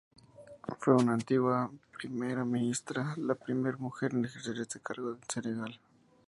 Fue una antigua primera ministra, la primera mujer en ejercer este cargo en Senegal.